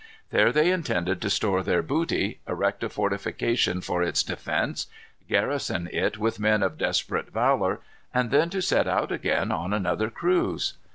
There they intended to store their booty, erect a fortification for its defence, garrison it with men of desperate valor, and then to set out again on another cruise.